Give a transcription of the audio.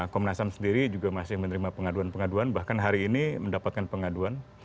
komnas ham sendiri juga masih menerima pengaduan pengaduan bahkan hari ini mendapatkan pengaduan